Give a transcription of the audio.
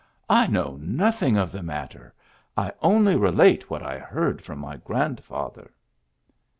I know nothing of the mat terI only relate what I heard from my grandfather."